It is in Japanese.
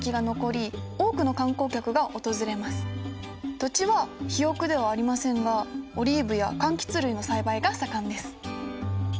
土地は肥沃ではありませんがオリーブやかんきつ類の栽培が盛んです。